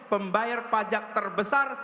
pembayar pajak terbesar